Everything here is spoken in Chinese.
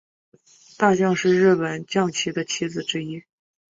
大将是日本将棋的棋子之一。